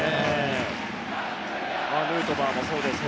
ヌートバーもそうですしね。